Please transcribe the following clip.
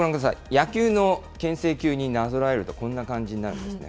野球のけん制球になぞらえると、こんな感じになるんですね。